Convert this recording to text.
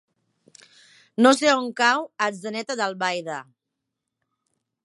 No sé on cau Atzeneta d'Albaida.